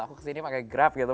aku kesini pakai grab gitu